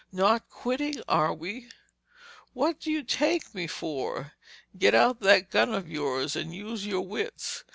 "Not quitting, are we?" "What do you take me for? Get out that gun of yours and use your wits.